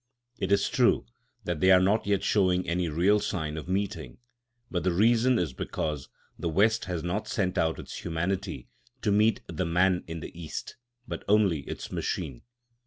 It is true that they are not yet showing any real sign of meeting. But the reason is because the West has not sent out its humanity to meet the man in the East, but only its machine.